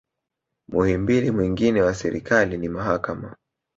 muhimili mwingine wa serikali ni mahakama